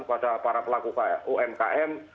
pada para pelaku umkm